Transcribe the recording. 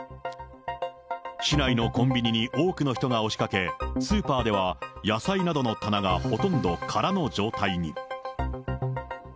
市内のコンビニに多くの人が押しかけ、スーパーでは、野菜などの棚がほとんど空の状態に。